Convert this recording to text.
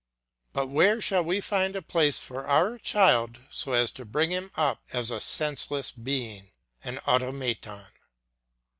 But where shall we find a place for our child so as to bring him up as a senseless being, an automaton?